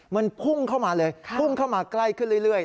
มันพุ่งเข้ามาเลยพุ่งเข้ามาใกล้ขึ้นเรื่อย